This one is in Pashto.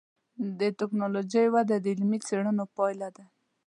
د ټکنالوجۍ وده د علمي څېړنو پایله ده.